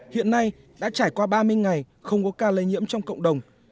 hiện nay đã trải qua ba mươi ngày không có ca lây nhiễm trong cộng đồng